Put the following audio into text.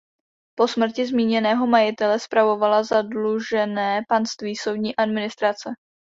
Po smrti zmíněného majitele spravovala zadlužené panství soudní administrace.